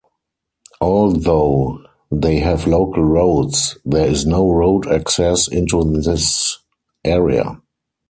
Although they have local roads, there is no road access into this area.